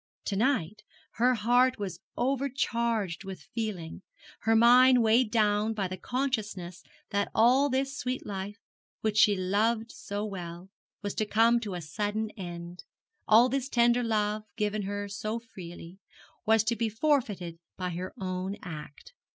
To night her heart was overcharged with feeling, her mind weighed down by the consciousness that all this sweet life, which she loved so well, was to come to a sudden end, all this tender love, given her so freely, was to be forfeited by her own act.